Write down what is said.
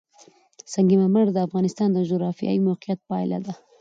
سنگ مرمر د افغانستان د جغرافیایي موقیعت پایله ده.